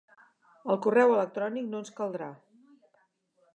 El correu electrònic no ens caldrà.